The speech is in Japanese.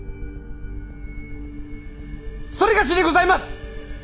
それがしにございます！